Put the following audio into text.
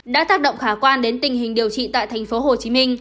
đã tác động khả quan đến tình hình điều trị tại tp hcm